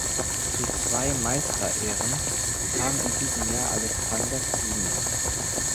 Zu zwei Meisterehren kam in diesem Jahr Alexander Thieme.